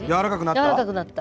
柔らかくなった？